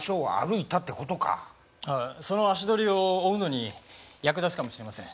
ああその足取りを追うのに役立つかもしれません。